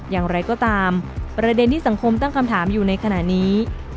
อย่างไรก็ตามประเด็นที่สังคมตั้งคำถามอยู่ในขณะนี้